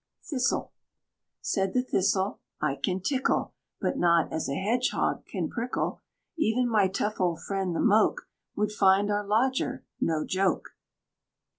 THISTLE. Said the Thistle, "I can tickle, But not as a Hedgehog can prickle; Even my tough old friend the Moke Would find our lodger no joke."